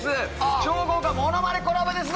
超豪華ものまねコラボです